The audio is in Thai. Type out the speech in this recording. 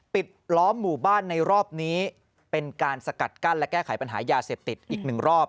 ปิดล้อมหมู่บ้านในรอบนี้เป็นการสกัดกั้นและแก้ไขปัญหายาเสพติดอีกหนึ่งรอบ